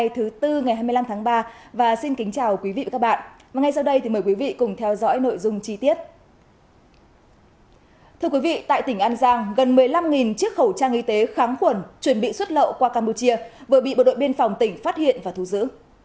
thưa quý vị tại tỉnh an giang gần một mươi năm chiếc khẩu trang y tế kháng khuẩn chuẩn bị xuất lậu qua campuchia vừa bị bộ đội biên phòng tỉnh phát hiện và thu giữ